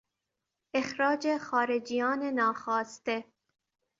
اخراج خارجیان ناخواسته